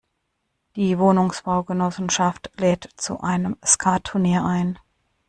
Die Wohnungsbaugenossenschaft lädt zu einem Skattunier ein.